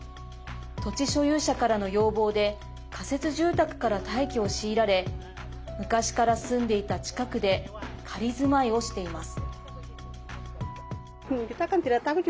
土地所有者からの要望で仮設住宅から退去を強いられ昔から住んでいた近くで仮住まいをしています。